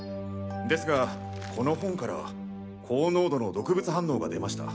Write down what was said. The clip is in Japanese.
ですがこの本から高濃度の毒物反応が出ました。